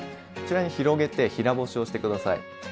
こちらに広げて平干しをして下さい。